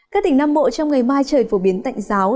các tỉnh nam bộ trong ngày mai trời phổ biến tạnh giáo